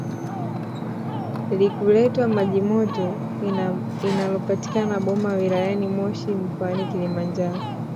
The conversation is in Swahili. likuletwa majimoto inalopatikana boma wilayani moshi mkoani Kilimanjaro